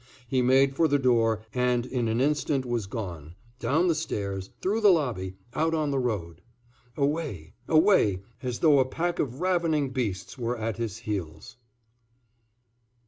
He made for the door and in an instant was gone, down the stairs, through the lobby, out on the road. Away, away, as though a pack of ravening beasts were at his heels.